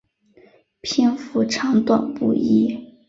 篇幅长短不一。